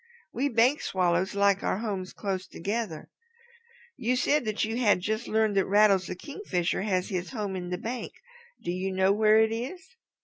"We Bank Swallows like our homes close together. You said that you had just learned that Rattles the Kingfisher has his home in a bank. Do you know where it is?"